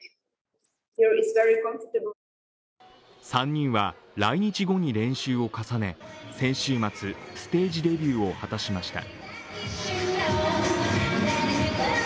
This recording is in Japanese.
３人は来日後に、練習を重ね先週末ステージデビューを果たしました。